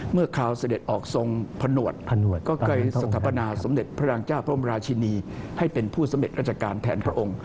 เมื่อเขาสเด็จออกทรงพระหนวดก็ใกล้สถาปนาสมเด็จพระรางเจ้าพระองค์ราชินีให้เป็นผู้สำเร็จราชการแทนพระองค์